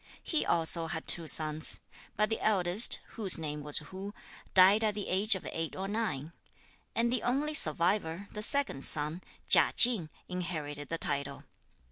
He also had two sons; but the eldest, whose name was Hu, died at the age of eight or nine; and the only survivor, the second son, Chia Ching, inherited the title.